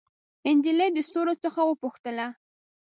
نجلۍ د ستورو څخه وپوښتله